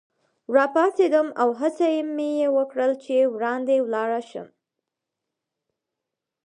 راپاڅېدم او هڅه مې وکړل چي وړاندي ولاړ شم.